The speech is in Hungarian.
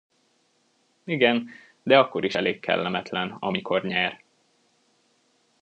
Igen, de akkor is elég kellemetlen, amikor nyer.